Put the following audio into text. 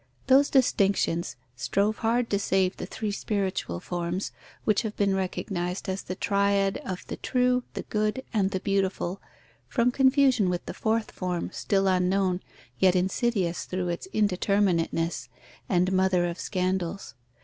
Those distinctions strove hard to save the three spiritual forms, which have been recognised as the triad of the True, the Good, and the Beautiful, from confusion with the fourth form, still unknown, yet insidious through its indeterminateness, and mother of scandals.